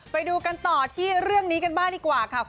ไปดูกันต่อที่เรื่องนี้กันบ้างดีกว่าค่ะ